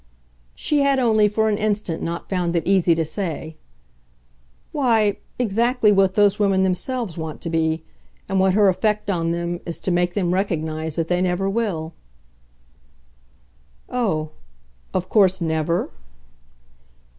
She had only for an instant not found it easy to say. "Why, exactly what those women themselves want to be, and what her effect on them is to make them recognise that they never will." "Oh of course never?"